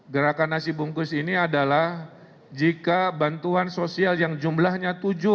gerakan nasi bungkus ini adalah jika bantuan sosial yang jumlahnya tujuh